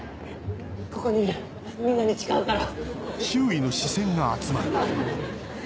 ここにいるみんなに誓うから。